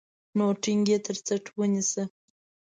نو ټينګ يې تر څټ ونيسه.